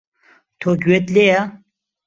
تۆ گوێت لێیە؟